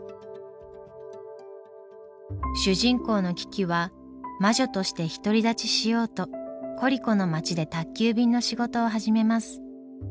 主人公のキキは魔女として独り立ちしようとコリコの街で宅急便の仕事を始めます。